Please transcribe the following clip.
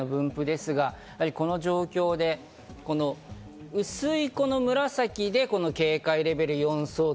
この状況で薄い紫で警戒レベル４相当。